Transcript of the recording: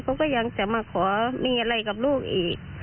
เขาก็ยังจะมาขอมีอะไรกับลูกอีก